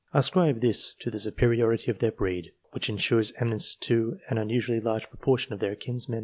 I ascribe this to the superiority of their breed, which ensures eminence to an unusually large proportion of their kinsmen.